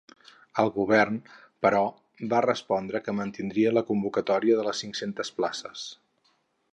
El govern, però, va respondre que mantindria la convocatòria de les cinc-centes places.